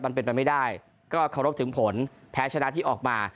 มันเป็นไปไม่ได้ก็เคารพถึงผลแพ้ชนะที่ออกมา